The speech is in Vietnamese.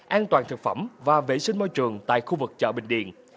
an toàn thực phẩm và vệ sinh môi trường tại khu vực chợ bình điền